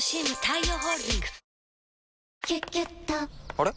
あれ？